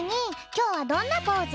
きょうはどんなポーズ？